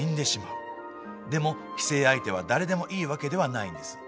でも寄生相手は誰でもいいわけではないんです。